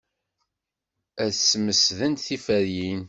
Ad smesdent tiferyin.